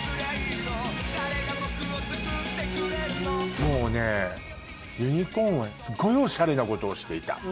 もうねユニコーンはすごいオシャレなことをしていた。